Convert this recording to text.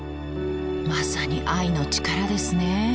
まさに愛の力ですね。